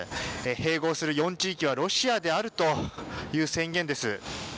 併合する４地域はロシアであるという宣言です。